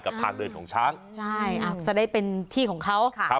กับทางเดินของช้างจะได้เป็นที่ของเขาค่ะ